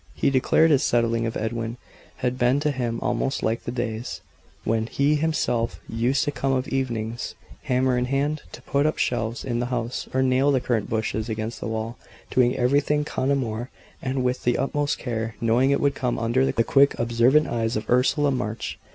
He declared this settling of Edwin had been to him almost like the days when he himself used to come of evenings, hammer in hand, to put up shelves in the house, or nail the currant bushes against the wall, doing everything con amore, and with the utmost care, knowing it would come under the quick observant eyes of Ursula March.